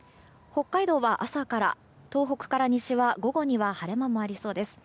北海道は朝から東北から西は午後には晴れ間もありそうです。